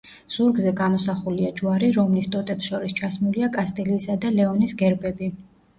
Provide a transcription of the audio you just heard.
ზურგზე გამოსახულია ჯვარი, რომლის ტოტებს შორის ჩასმულია კასტილიისა და ლეონის გერბები.